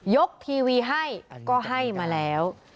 กทีวีให้ก็ให้มาแล้ว